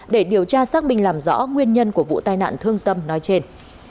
để điều tra xác minh làm rõ nguyên nhân của vụ tai nạn thương tâm nói trên